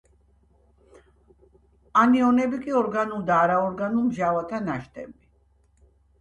ანიონები კი ორგანულ და არაორგანულ მჟავათა ნაშთები.